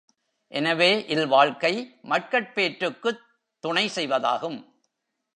எனவே இல்வாழ்க்கை மக்கட்பேற்றுக்குத் துணை செய்வதாகும்.